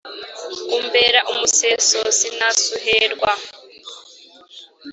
umbera umuseso sinasuherwa